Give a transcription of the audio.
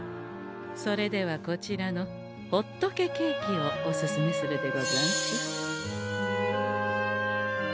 それではこちらのほっとけケーキをおすすめするでござんす。